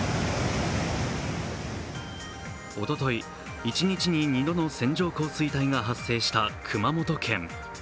おととい、一日に２度の線状降水帯が発生した熊本県。